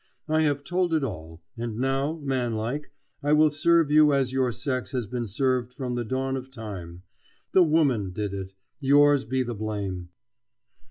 I have told it all, and now, manlike, I will serve you as your sex has been served from the dawn of time: the woman did it! yours be the blame.